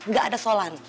gak ada solan